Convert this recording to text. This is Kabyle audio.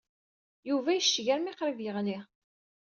Yuba yecceg armi qrib yeɣli.